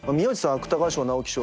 芥川賞直木賞